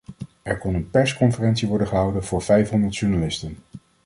Er kon een persconferentie worden gehouden voor vijfhonderd journalisten.